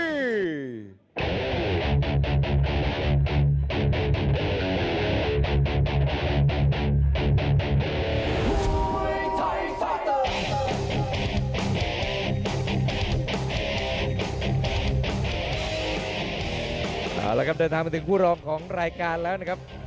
เอาละครับเดินทางมาถึงคู่รองของรายการแล้วนะครับ